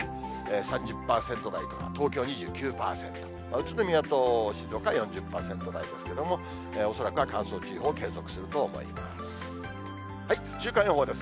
３０％台とか、東京２９％、宇都宮と静岡は４０％台ですけども、恐らくは乾燥注意報、継続すると思います。